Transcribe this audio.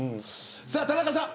田中さん